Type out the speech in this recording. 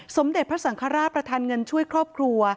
สมเด็จพระสังฆราชประธานเงินช่วยครอบครัว